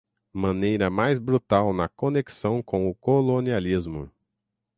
maneira mais brutal na conexão com o colonialismo